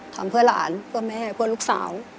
ทำเพื่อหลานเพื่อแม่เพื่อลูกสาว